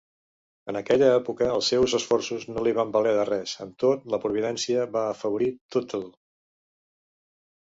En aquella època els seus esforços no li van valer de res; amb tot, la providència va afavorir Tuttle.